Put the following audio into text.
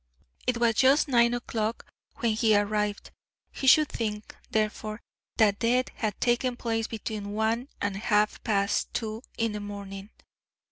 It was just nine o'clock when he arrived. He should think, therefore, that death had taken place between one and half past two in the morning.